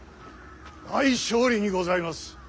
大勝利にございます。